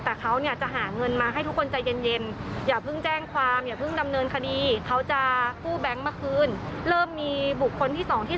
แต่ตอนนี้ก็ยังจับตัวไม่ได้ก็ยังลอยนวล